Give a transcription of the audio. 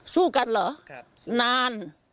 สู้กันเหรอนาน